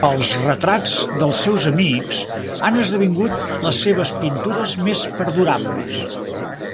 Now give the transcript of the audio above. Els retrats dels seus amics han esdevingut les seves pintures més perdurables.